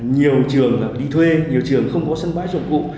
nhiều trường đi thuê nhiều trường không có sân bãi dụng cụ